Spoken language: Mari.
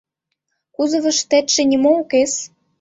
— Кузовыштетше нимо укес.